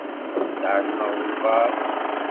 Ilaq ad sɛelmeɣ walebɛaḍ.